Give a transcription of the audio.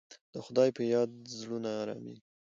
د خدای په یاد زړونه ارامېږي.